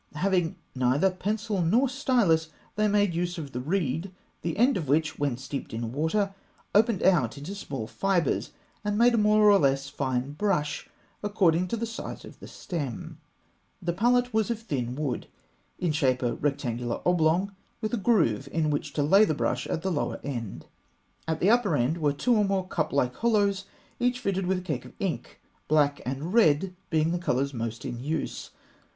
Having neither pencil nor stylus, they made use of the reed, the end of which, when steeped in water, opened out into small fibres, and made a more or less fine brush according to the size of the stem. The palette was of thin wood, in shape a rectangular oblong, with a groove in which to lay the brush at the lower end. At the upper end were two or more cup like hollows, each fitted with a cake of ink; black and red being the colours most in use.